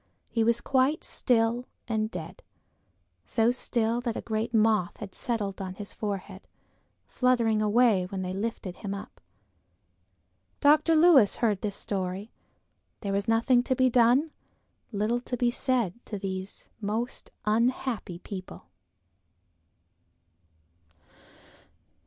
He was quite still and dead, so still that a great moth had settled on his forehead, fluttering away when they lifted him up. Dr. Lewis heard this story. There was nothing to be done; little to be said to these most unhappy people.